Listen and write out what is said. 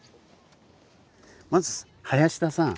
まず林田さん。